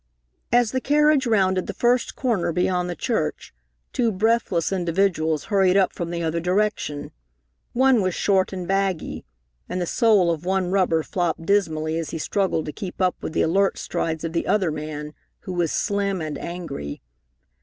As the carriage rounded the first corner beyond the church, two breathless individuals hurried up from the other direction. One was short and baggy, and the sole of one rubber flopped dismally as he struggled to keep up with the alert strides of the other man, who was slim and angry.